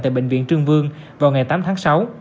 tại bệnh viện trương vương vào ngày tám tháng sáu